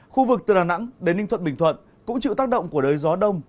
khu vực từ đà nẵng đến ninh thuận bình thuận cũng chịu tác động của đới gió đông